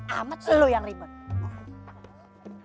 amat sih lo yang ribet